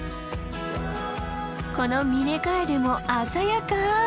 このミネカエデも鮮やか。